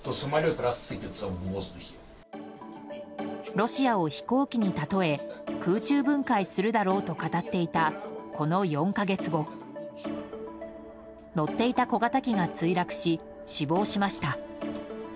ロシアを飛行機にたとえ空中分解するだろうと語っていたこの４か月後乗っていた小型機が墜落し死亡しました。